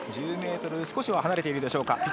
１０ｍ少しは離れてるでしょうか。